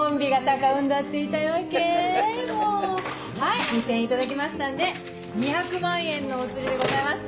はい２０００円頂きましたんで２００万円のお釣りでございます。